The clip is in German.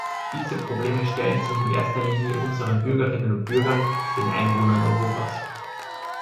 Diese Probleme stellen sich in erster Linie unseren Bürgerinnen und Bürgern, den Einwohnern Europas.